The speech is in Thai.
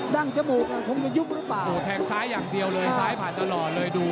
ั้งจมูกคงจะยุบหรือเปล่าแทงซ้ายอย่างเดียวเลยซ้ายผ่านตลอดเลยดู